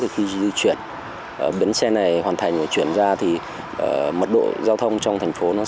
khi di chuyển bến xe này hoàn thành chuyển ra thì mật độ giao thông trong thành phố